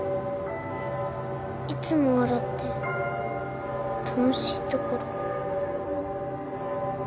いつも笑って楽しいところ。